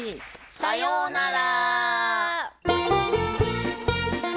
さようなら！